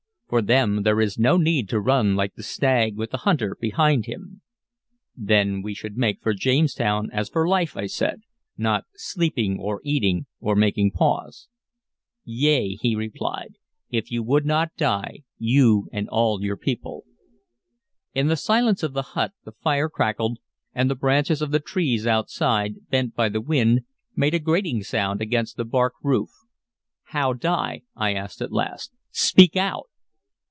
For them there is no need to run like the stag with the hunter behind him." "Then we should make for Jamestown as for life," I said, "not sleeping or eating or making pause?" "Yea," he replied, "if you would not die, you and all your people." In the silence of the hut the fire crackled, and the branches of the trees outside, bent by the wind, made a grating sound against the bark roof. "How die?" I asked at last. "Speak out!"